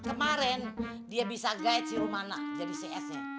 kemarin dia bisa guide si rumana jadi cs nya